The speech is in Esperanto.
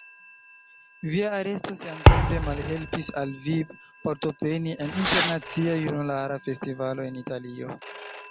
Via aresto siatempe malhelpis al vi partopreni en Internacia Junulara Festivalo en Italio.